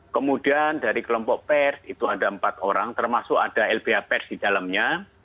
kemudian dari kelompok pers itu ada empat orang termasuk ada lbh pers di dalamnya